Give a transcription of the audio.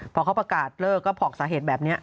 พอเขาประกาศเลิกก็พอกสาเหตุแบบนี้